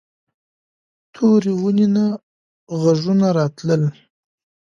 تورې ونې نه غږونه راتلل.